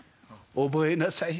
覚えなさい。